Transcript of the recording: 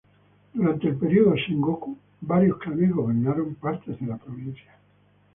Durante el período Sengoku, varios clanes gobernaron partes de la provincia.